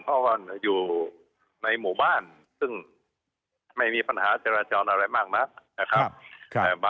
เพราะว่าอยู่ในหมู่บ้านซึ่งไม่มีปัญหาจราจรอะไรมากนักนะครับ